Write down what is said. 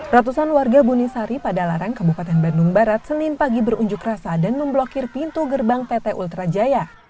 ratusan warga bunisari pada larang kabupaten bandung barat senin pagi berunjuk rasa dan memblokir pintu gerbang pt ultra jaya